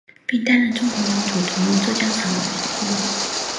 并担任中国民主同盟浙江省委的顾问。